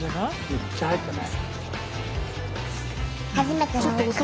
めっちゃ入ってたね。